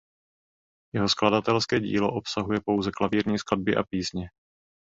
Jeho skladatelské dílo obsahuje pouze klavírní skladby a písně.